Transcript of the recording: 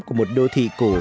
của một đô thị cổ